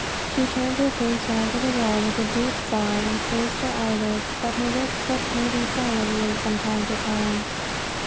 She turned her face round to the wall with a deep sigh, and closed her eyelids, but her lips kept moving silently from time to time.